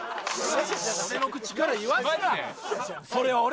それを俺の口から言わすな！